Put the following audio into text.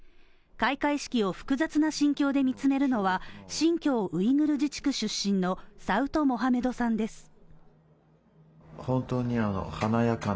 開会式を複雑な心境で見つめるのは新疆ウイグル自治区出身のサウト・モハメドさんです。